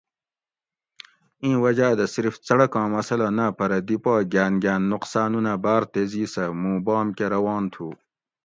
ایں وجاۤ دہ صرف څڑکاں مسلہ نہ پرہ دی پا گاۤن گاۤن نقصانونہ باۤر تیزی سہ مُوں بام کہ روان تُھو